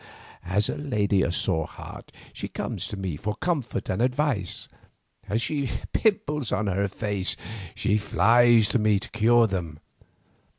Has a lady a sore heart, she comes to me for comfort and advice. Has she pimples on her face, she flies to me to cure them.